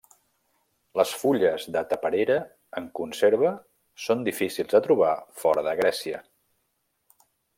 Les fulles de taperera en conserva són difícils de trobar fora de Grècia.